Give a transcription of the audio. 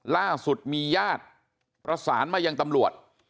ล่าสุดมีญาติประสานมายังตำรวจ